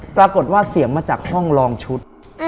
ปรากฏว่าเสียงมาจากห้องลองชุด